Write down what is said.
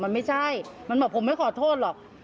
มันไม่ใช่มันบอกผมไม่ขอโทษหรอก